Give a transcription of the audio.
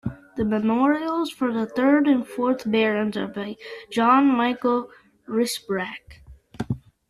The memorials for the third and fourth barons are by John Michael Rysbrack.